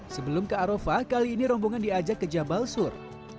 sebelum ke arofah kali ini rombongan diajak ke jabal sur